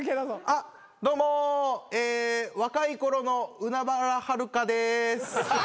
あっどうも若いころの海原はるかです。